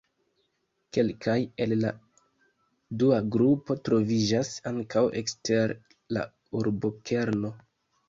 Kelkaj el la dua grupo troviĝas ankaŭ ekster la urbokerno.